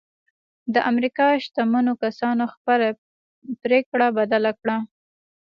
د امريکا شتمنو کسانو خپله پرېکړه بدله کړه.